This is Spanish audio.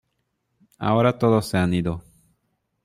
Ahora todos se han ido